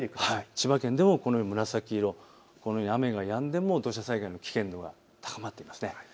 千葉県でもこのように紫色、雨がやんでも土砂災害の危険度が高まっています。